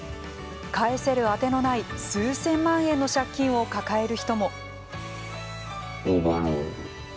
返せる当てのない数千万円の借金を抱える人も。